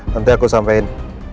nanti aku sampein